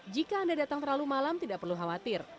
jika anda datang terlalu malam tidak perlu khawatir